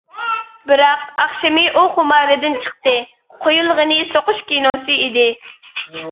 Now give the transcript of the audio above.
بىراق، ئاخشىمى ئۇ خۇماردىن چىقتى: قويۇلغىنى سوقۇش كىنوسى ئىدى.